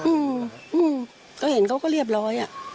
อืมก็เห็นเขาก็เรียบร้อยอ่ะ